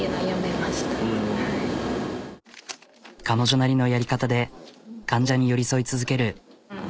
彼女なりのやり方で患者に寄り添い続ける。